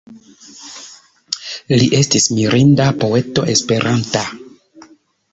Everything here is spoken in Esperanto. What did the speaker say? Li estis mirinda poeto Esperanta.